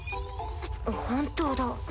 本当だ。